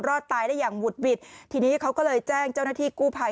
รอดตายได้อย่างหุดหวิดทีนี้เขาก็เลยแจ้งเจ้าหน้าที่กู้ภัย